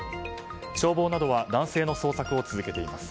消防などは男性の捜索を続けています。